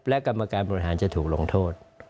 และกรรมการบริหารจะถูกลงโทษ